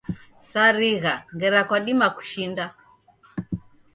Sarigha, ngera kwadima kushinda